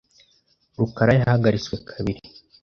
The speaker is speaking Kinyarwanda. rukara yahagaritswe kabiri .